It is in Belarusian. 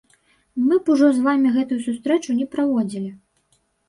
Мы б ужо з вамі гэтую сустрэчу не праводзілі.